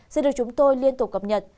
sẽ được chúng tôi liên tục cập nhật